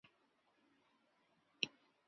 柱果铁线莲为毛茛科铁线莲属下的一个种。